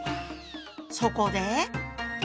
そこで。